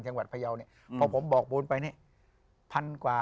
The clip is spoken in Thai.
จังหวัดพระยาวเนี่ยพอผมบอกบรูปไปเนี่ย